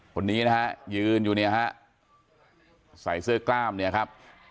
คนนี้นะฮะยืนอยู่เนี่ยฮะใส่เสื้อกล้ามเนี่ยครับ